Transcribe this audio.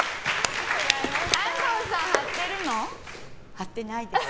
貼ってないです。